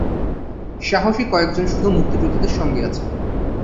সাহসী কয়েকজন শুধু মুক্তিযোদ্ধাদের সঙ্গে আছেন।